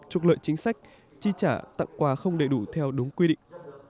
trục lợi chính sách chi trả tặng quà không đầy đủ theo đúng quy định